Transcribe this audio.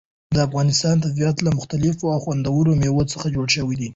د افغانستان طبیعت له مختلفو او خوندورو مېوو څخه جوړ شوی دی.